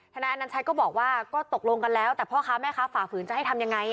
นายอนัญชัยก็บอกว่าก็ตกลงกันแล้วแต่พ่อค้าแม่ค้าฝ่าฝืนจะให้ทำยังไง